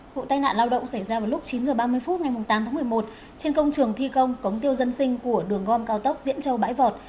vụ tai nạn lao động xảy ra vào lúc chín h ba mươi phút ngày tám tháng một mươi một trên công trường thi công cống tiêu dân sinh của đường gom cao tốc diễn châu bãi vọt